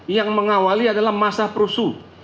yang mengawali adalah masa perusuh